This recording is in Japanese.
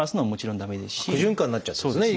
悪循環になっちゃうってことですね